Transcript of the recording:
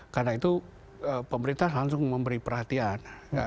karena itu pemerintah langsung memberi perhatian